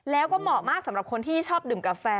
แล้วก็เหมาะมากสำหรับคนที่ชอบดื่มกาแฟ